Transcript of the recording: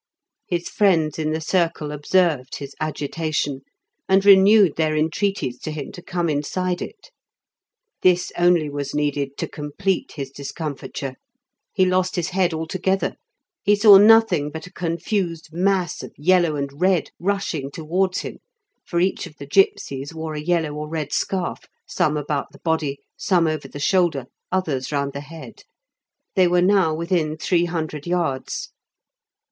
His friends in the circle observed his agitation, and renewed their entreaties to him to come inside it. This only was needed to complete his discomfiture. He lost his head altogether; he saw nothing but a confused mass of yellow and red rushing towards him, for each of the gipsies wore a yellow or red scarf, some about the body, some over the shoulder, others round the head. They were now within three hundred yards.